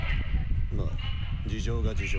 まあ事情が事情だ